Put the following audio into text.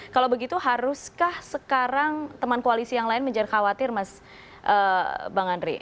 kalau begitu haruskah sekarang teman koalisi yang lain menjadi khawatir mas bang andre